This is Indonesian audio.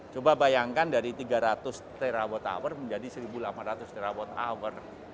coba bayangkan dari tiga ratus terawatt hour menjadi seribu delapan ratus terawatt hour